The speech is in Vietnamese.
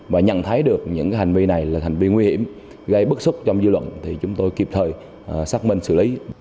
và nhận thấy được những hành vi này là hành vi nguy hiểm gây bức xúc trong dư luận thì chúng tôi kịp thời xác minh xử lý